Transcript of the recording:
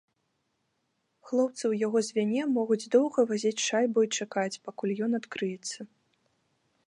Хлопцы ў яго звяне могуць доўга вазіць шайбу і чакаць, пакуль ён адкрыецца.